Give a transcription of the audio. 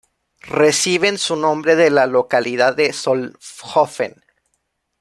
Reciben su nombre de la localidad de Solnhofen.